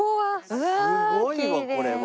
すごいわこれは。